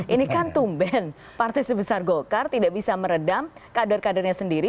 ini kan tumben partai sebesar golkar tidak bisa meredam kader kadernya sendiri